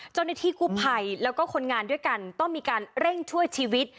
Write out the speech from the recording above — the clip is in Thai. เจ้าหน้าที่กู้ภัยแล้วก็คนงานด้วยกันต้องมีการเร่งช่วยชีวิต